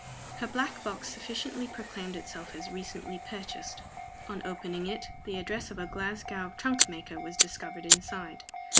Her black box sufficiently proclaimed itself as recently purchased. On opening it the address of a Glasgow trunk maker was discovered inside.